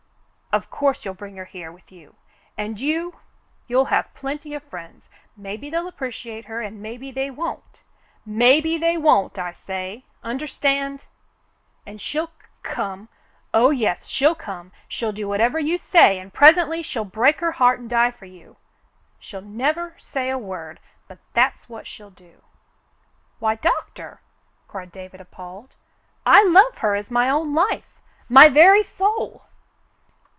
"Of course you'll bring her here with you, and you — you'll have plenty of friends. Maybe they'll appreciate her, and maybe they won't ; maybe they won't, I say ; Understand ? And she'll c — come. Oh, yes, she'll come ! she'll do whatever you say, and presently she'll break her heart and die for you. She'll never say a word, but that's what she'll do." "Why, Doctor!" cried David, appalled. "I love her as my own life — my very soul."